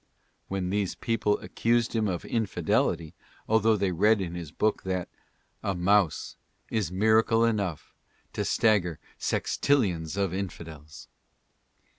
Then these people accused him of infidelity, although they read in his book that "A mouse is miracle enough to stagger sextillions of infidels."